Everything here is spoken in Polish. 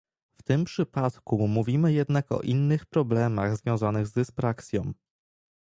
W tym przypadku mówimy jednak o innych problemach związanych z dyspraksją